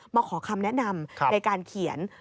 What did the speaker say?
มาขอคำแนะนำในการเขียน